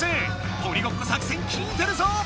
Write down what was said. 鬼ごっこ作戦きいてるぞ！